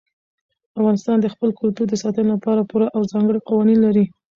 افغانستان د خپل کلتور د ساتنې لپاره پوره او ځانګړي قوانین لري.